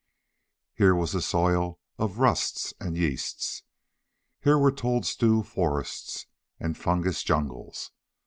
Here was a soil of rusts and yeasts. Here were toadstool forests and fungus jungles.